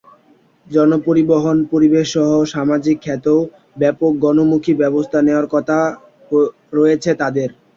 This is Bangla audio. জনপরিবহন, পরিবেশসহ সামাজিক খাতেও ব্যাপক গণমুখী ব্যবস্থা নেওয়ার কথা রয়েছে তাদের।